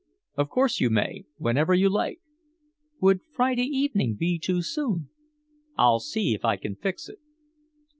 "Of course you may whenever you like." "Would Friday evening be too soon?" "I'll see if I can fix it."